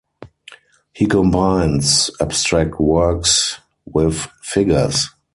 He combines abstract works with figures.